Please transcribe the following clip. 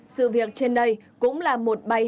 sự việc trên đây cũng là một bài hỏi